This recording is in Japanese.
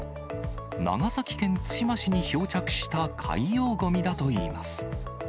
長崎県対馬市に漂着した海洋ごみだといいます。